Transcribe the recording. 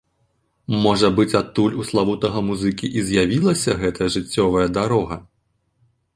Можа быць, адтуль у славутага музыкі і з'явілася гэтая жыццёвая дарога.